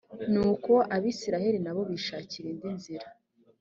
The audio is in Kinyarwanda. nuko abayisraheli na bo bishakira indi nzira.